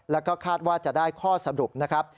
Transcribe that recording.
แล้วก็คาดว่าจะได้ข้อสรุปนะครับ